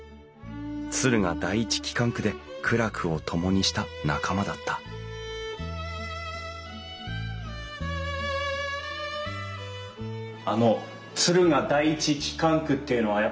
敦賀第一機関区で苦楽を共にした仲間だったあの敦賀第一機関区っていうのはやっぱりすごかったんですか？